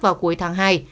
vào cuối tháng hai